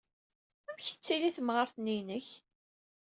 Amek tettili temɣart-nni-inek?